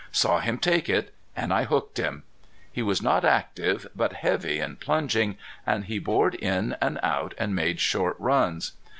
Saw him take it! And I hooked him. He was not active, but heavy and plunging, and he bored in and out, and made short runs.